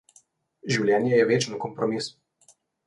Življenje je večen kompromis.